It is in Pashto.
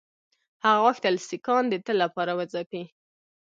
هغه غوښتل سیکهان د تل لپاره وځپي.